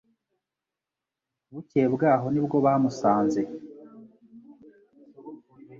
Bukeye bwaho nibwo bamusanze